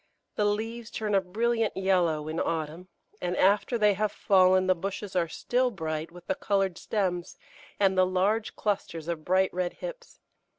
The leaves turn a brilliant yellow in autumn, and after they have fallen the bushes are still bright with the coloured stems and the large clusters of bright red hips.